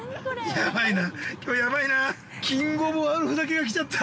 やばいな、きょう、やばいな、キング・オブ悪ふざけが来ちゃった。